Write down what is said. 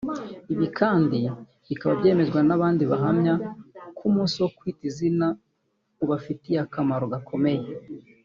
Ibi kandi bikaba byemezwa n’abandi bahamya ko umunsi wo kwita izina ubafitiye akamaro gakomeye